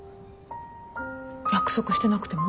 約束してなくても？